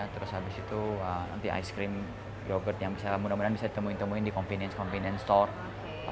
terus habis itu nanti ice cream yogurt yang mudah mudahan bisa ditemui temui di convenience store